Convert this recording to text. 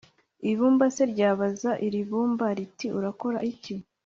ibumba se ryabaza uribumba, riti «urakora iki ?»,